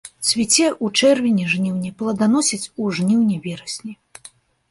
Цвіце ў чэрвені-жніўні, пладаносіць у жніўні-верасні.